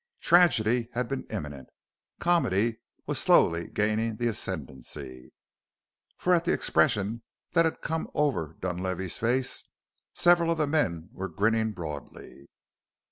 Tragedy had been imminent; comedy was slowly gaining the ascendency. For at the expression that had come over Dunlavey's face several of the men were grinning broadly.